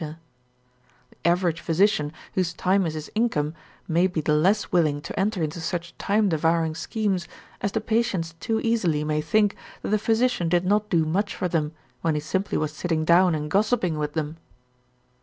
The average physician whose time is his income may be the less willing to enter into such time devouring schemes, as the patients too easily may think that the physician did not do much for them when he simply was sitting down and gossiping with them.